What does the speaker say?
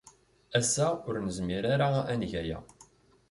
Ass-a, ur nezmir ara ad neg aya.